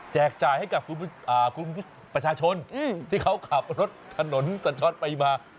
จ่ายให้กับคุณประชาชนที่เขาขับรถถนนสัญช็อตไปมา